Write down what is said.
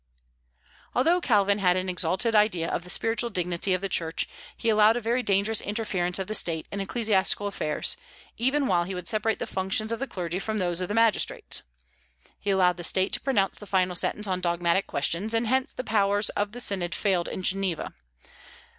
Although Calvin had an exalted idea of the spiritual dignity of the Church, he allowed a very dangerous interference of the State in ecclesiastical affairs, even while he would separate the functions of the clergy from those of the magistrates. He allowed the State to pronounce the final sentence on dogmatic questions, and hence the power of the synod failed in Geneva.